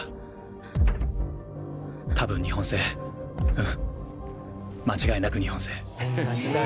うん間違いなく日本製。